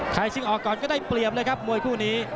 ชิงออกก่อนก็ได้เปรียบเลยครับมวยคู่นี้